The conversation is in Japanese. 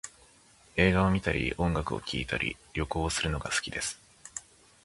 映画を観たり音楽を聴いたり、旅行をするのが好きです